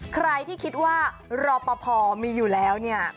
ใครที่คิดว่ารอปภมีอยู่แล้วเนี่ย